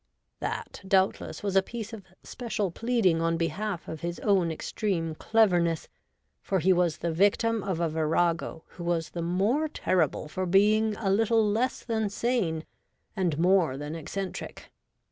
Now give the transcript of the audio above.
That, doubdess, was a piece of special pleading on behalf of his own extreme cleverness, for he was the victim of a virago who was the more terrible for being a little less than sane and more io6 REVOLTED WOMAN. than eccentric.